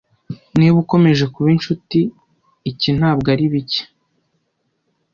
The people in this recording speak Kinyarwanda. niba ukomeje kuba inshuti iki ntabwo ari bike